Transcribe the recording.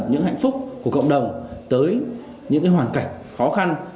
những hạnh phúc của cộng đồng tới những hoàn cảnh khó khăn